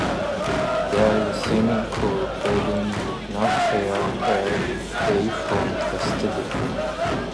There is a swimming pool building not far away from the stadium.